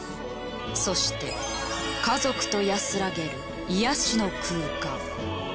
そして家族と安らげる癒やしの空間。